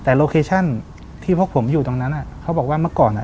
แต่โลเคชั่นที่พวกผมอยู่ตรงนั้นอ่ะเขาบอกว่าเมื่อก่อนอ่ะ